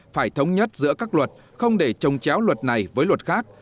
phải thống nhất giữa các luật không để trông chéo luật này với luật khác